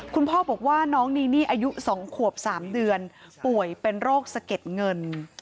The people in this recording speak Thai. คุณพ่อบอกว่าน้องนีนี่อายุ๒ขวบ๓เดือนป่วยเป็นโรคสะเก็ดเงิน